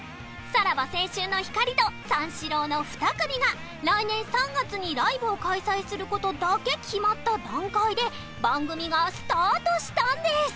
さらば青春の光と三四郎の２組が来年３月にライブを開催する事だけ決まった段階で番組がスタートしたんです